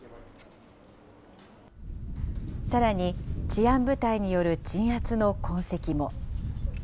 さらに、治安部隊による鎮圧の痕跡も。